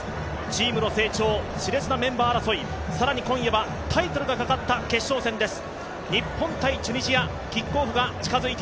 チームの成長、しれつなメンバー争い更に今夜はタイトルがかかった決勝戦です。